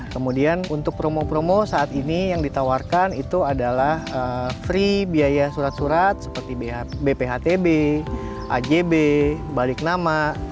kemudian untuk promo promo saat ini yang ditawarkan itu adalah free biaya surat surat seperti bphtb ajb balik nama